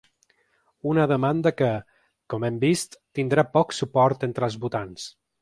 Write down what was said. Una demanda que, com hem vist, tindrà poc suport entre els votants.